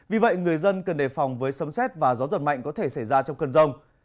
vì vậy người dân cần đề phòng với sấm xét và gió giật mạnh có thể xảy ra trong cơn rông